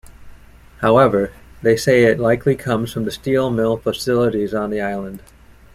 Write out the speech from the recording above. However, they say it likely comes from the steel mill facilities on the island.